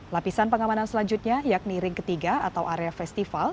lapisan pengamanan selanjutnya yakni ring ketiga atau area festival